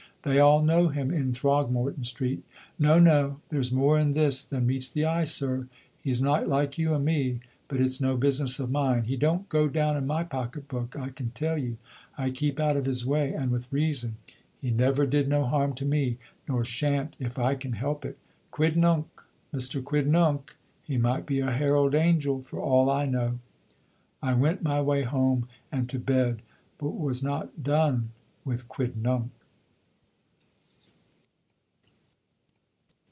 They all know him in Throgmorton Street. No, no. There's more in this than meets the eye, sir. He's not like you and me. But it's no business of mine. He don't go down in my pocket book, I can tell you. I keep out of his way and with reason. He never did no harm to me, nor shan't if I can help it. Quidnunc! Mister Quidnunc! He might be a herald angel for all I know." I went my way home and to bed, but was not done with Quidnunc.